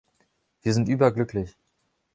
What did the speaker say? Wir sind überglücklich!